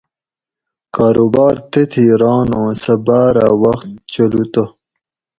کاروبار تتھیں ران اُوں سہ باۤر اۤ وخت چلو تہ